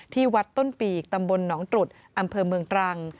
ที่วัดต้นปีกตำบลหนองตรุษอำเภอเมืองตรัง